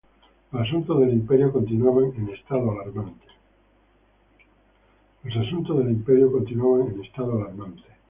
Los asuntos del Imperio continuaban en estado alarmante.